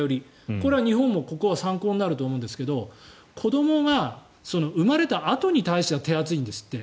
これは日本もここは参考になると思うんですけど子どもが生まれたあとに対しては手厚いんですって。